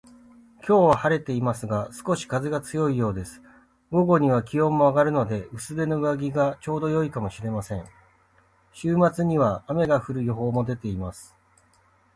今日は晴れていますが、少し風が強いようです。午後には気温も上がるので、薄手の上着がちょうど良いかもしれません。週末には雨が降る予報も出ています